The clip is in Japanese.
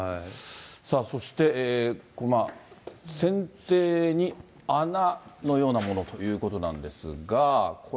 そして、船底に穴のようなものということなんですが。